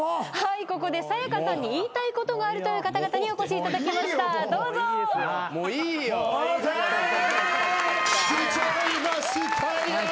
ここでさや香さんに言いたいことがあるという方々にお越しいただきましたどうぞ。ＯＫ！来ちゃいましたよ。